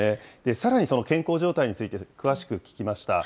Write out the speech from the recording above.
さらにその健康状態について詳しく聞きました。